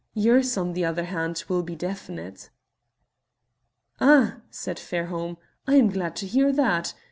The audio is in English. Yours, on the other hand, will be definite." "Ah!" said Fairholme, "I am glad to hear that.